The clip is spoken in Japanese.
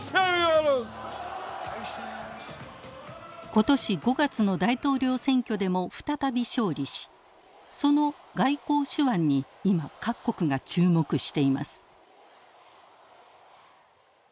今年５月の大統領選挙でも再び勝利しその外交手腕に今各国が注目しています。